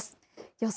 予想